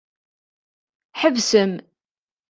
Ḥebsem!